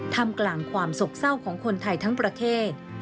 ทำกลางความโศกเศร้าของคนไทยทั้งประเทศ